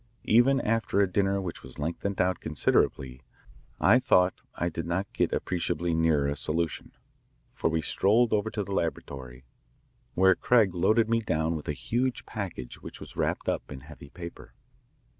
Even after a dinner which was lengthened out considerably, I thought, I did not get appreciably nearer a solution, for we strolled over to the laboratory, where Craig loaded me down with a huge package which was wrapped up in heavy paper.